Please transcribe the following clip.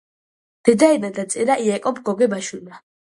დედაენა დაწერა იაკობ გოგებაშვილმა